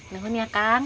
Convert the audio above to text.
nuhun ya kang